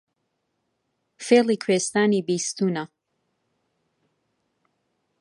فێڵی کوێستانی بیستوونە